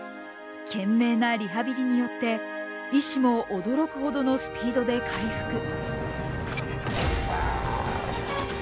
懸命なリハビリによって医師も驚くほどのスピードで回復。